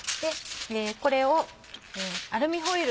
これをアルミホイル